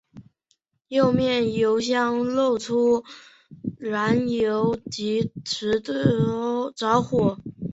右面油箱漏出燃油即时着火。